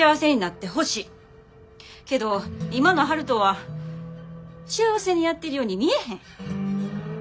けど今の悠人は幸せにやってるように見えへん。